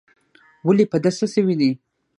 ولي په ده څه سوي دي؟